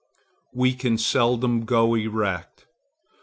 We can seldom go erect.